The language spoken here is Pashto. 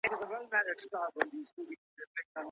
ولي لېواله انسان د وړ کس په پرتله هدف ترلاسه کوي؟